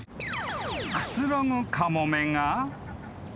［くつろぐカモメが］